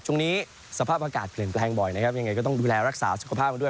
ช่วงนี้สภาพอากาศเปลี่ยนแปลงบ่อยนะครับยังไงก็ต้องดูแลรักษาสุขภาพกันด้วย